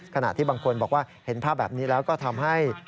ขณะที่บางคนบอกว่าเห็นภาพแบบนี้แล้วก็ทำให้